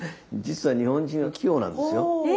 実は日本人は器用なんですよ。